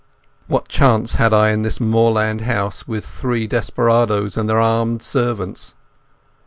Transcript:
What chance had I in this moorland house with three desperadoes and their armed servants?